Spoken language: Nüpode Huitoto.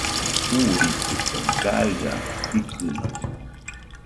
Uuritɨkaɨ gaɨa ikɨno